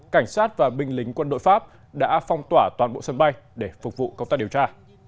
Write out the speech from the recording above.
cảnh sát và binh lính quân đội pháp đã phong tỏa toàn bộ sân bay để phục vụ công tác điều tra